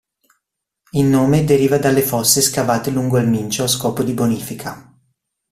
Il nome deriva dalle fosse scavate lungo il Mincio a scopo di bonifica.